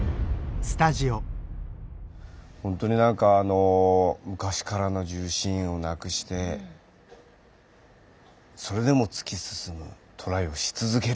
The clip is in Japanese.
ほんとになんかあの昔からの重臣を亡くしてそれでも突き進むトライをし続ける。